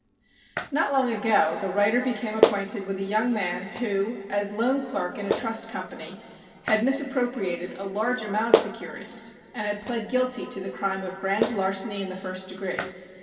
Not long ago the writer became acquainted with a young man who, as loan clerk in a trust company, had misappropriated a large amount of securities and had pleaded guilty to the crime of grand larceny in the first degree.